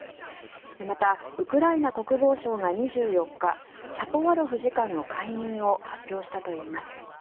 また、ウクライナ国防相が２４日シャポワロフ次官の解任を発表したといいます。